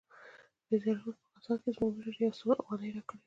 د دهراوت په غزا کښې زموږ مشر يو څو اوغانۍ راکړې وې.